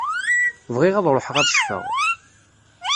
Bɣiɣ ad ṛuḥeɣ ad ccfeɣ.